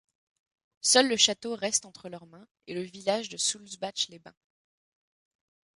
Seul le château reste entre leurs mains, et le village de Soultzbach-les-Bains.